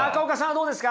どうですか？